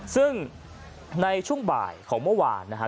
ซึ่งในช่วงบ่ายของเมื่อวานนะฮะ